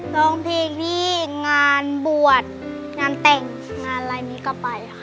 ร้องเพลงที่งานบวชงานแต่งงานอะไรนี้ก็ไปค่ะ